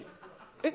えっ？